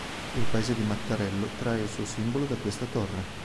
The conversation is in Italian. Il paese di Mattarello trae il suo simbolo da questa torre.